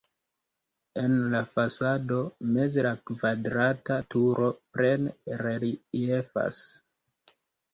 En la fasado meze la kvadrata turo plene reliefas.